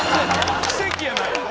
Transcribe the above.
奇跡やな！